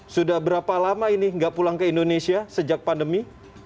sudah berapa lama ini nggak pulang ke indonesia sejak pandemi